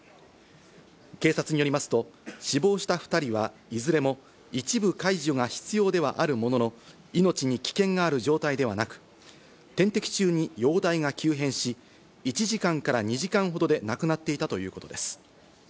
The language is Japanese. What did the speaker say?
警察によりますと死亡した２人はいずれも一部介助が必要ではあるものの、命に危険がある状態ではなく、点滴中に容体が急変し、１時間から２時間ほどで亡くなっていたということです。